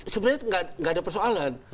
sebenarnya itu gak ada persoalan